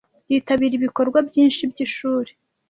Yitabira ibikorwa byinshi byishuri.